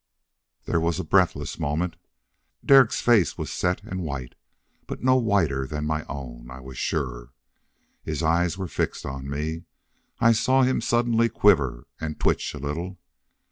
There was a breathless moment. Derek's face was set and white, but no whiter than my own, I was sure. His eyes were fixed on me. I saw him suddenly quiver and twitch a little.